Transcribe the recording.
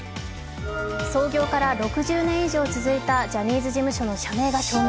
創業から６０年以上続いたジャニーズ事務所の社名が消滅。